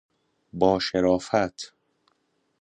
باشرافت